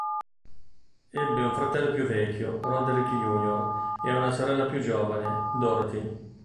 Ebbe un fratello più vecchio, Roderick Jr., e una sorella più giovane, Dorothy.